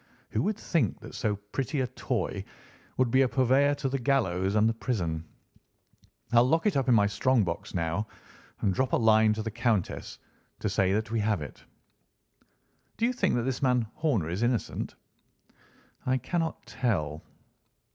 Who would think that so pretty a toy would be a purveyor to the gallows and the prison? I'll lock it up in my strong box now and drop a line to the Countess to say that we have it." "Do you think that this man Horner is innocent?" "I cannot tell."